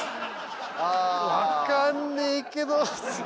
分かんねえけど。